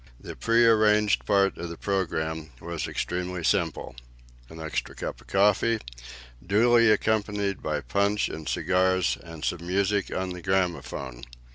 The pre arranged part of the programme was extremely simple: an extra cup of coffee, duly accompanied by punch and cigars, and some music on the gramophone.